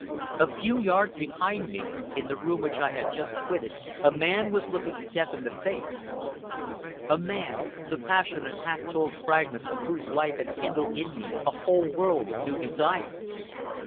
A few yards behind me, in the room which I had just quitted, a man was looking death in the face; a man, the passionate, half told fragments of whose life had kindled in me a whole world of new desires.